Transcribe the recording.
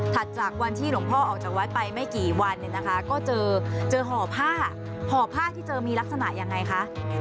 จากวันที่หลวงพ่อออกจากวัดไปไม่กี่วันเนี่ยนะคะก็เจอห่อผ้าห่อผ้าที่เจอมีลักษณะยังไงคะ